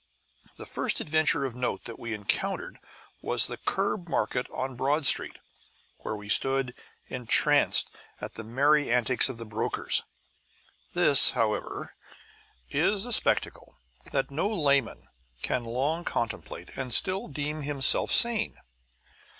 The first adventure of note that we encountered was the curb market on Broad Street, where we stood entranced at the merry antics of the brokers. This, however, is a spectacle that no layman can long contemplate and still deem himself sane.